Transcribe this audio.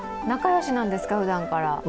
仲良しなんですか、ふだんから？